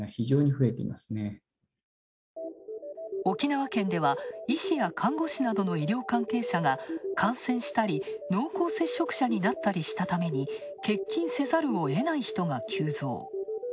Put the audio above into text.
沖縄県では、医師や看護師などの医療関係者が感染したり、濃厚接触者になったりしたために欠勤せざるを得ない人が急増。